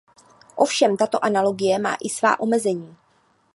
Ovšem tato analogie má i svá omezení.